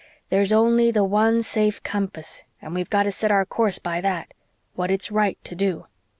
There's only the one safe compass and we've got to set our course by that what it's right to do.